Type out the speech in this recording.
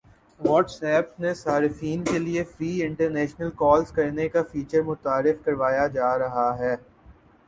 what's app نے صارفین کی لیے فری انٹرنیشنل کالز کرنے کا فیچر متعارف کروایا جا رہا ہے